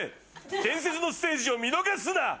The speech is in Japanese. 伝説のステージを見逃すな！